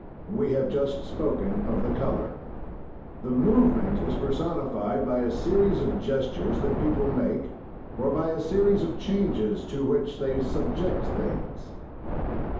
"We have just spoken of the color. "The movement is personified by a series of gestures that people make or by a series of changes to which they subject things.